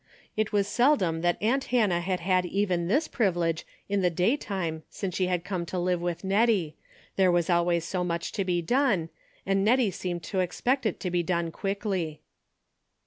It was seldom that aunt Hannah had had even this privilege in the daytime since she had come to live with Hettie, there was always so much to be done, and Hettie seemed to expect it to be done quickly.